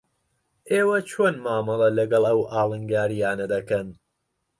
ئێوە چۆن مامەڵە لەگەڵ ئەو ئاڵنگارییانە دەکەن؟